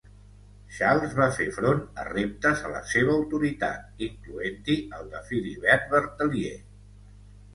Charles va fer front a reptes a la seva autoritat, incloent-hi el de Philibert Berthelier.